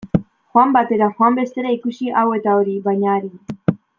Joan batera, joan bestera, ikusi hau eta hori, baina arin.